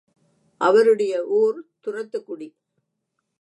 அவருடைய ஊர் துரத்துக்குடி.